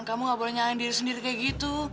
kamu gak boleh nyalain diri sendiri kayak gitu